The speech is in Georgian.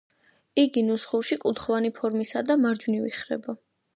იგი ნუსხურში კუთხოვანი ფორმისაა და მარჯვნივ იხრება.